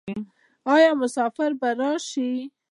آیا مسافر به راشي؟